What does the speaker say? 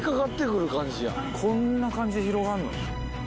こんな感じで広がんの？